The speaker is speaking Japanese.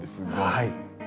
はい。